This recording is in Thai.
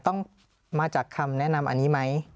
ต้องมาจากคำแนะนำอันนี้ไหม